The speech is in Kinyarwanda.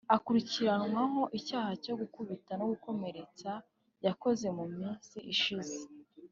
Akurikiranyweho icyaha cyo gukubita no gukomeretsa yakoze mu minsi ishize